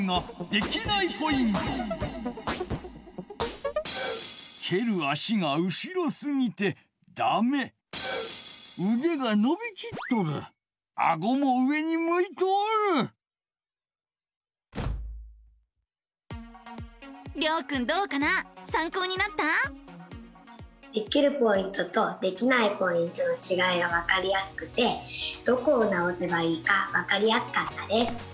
できるポイントとできないポイントのちがいが分かりやすくてどこを直せばいいか分かりやすかったです。